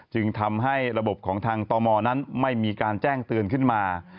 จึงทำให้ระบบของทางตมนั้นไม่มีการแจ้งเตือนขึ้นมา